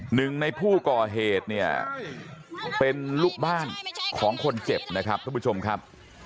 หนึ่งในผู้ก่อเหตุเนี่ยเป็นลูกบ้านของคนเจ็บนะครับทุกผู้ชมครับ